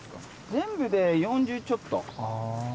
全部で４０ちょっと。